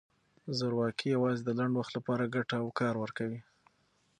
زورواکي یوازې د لنډ وخت لپاره ګټه او کار ورکوي.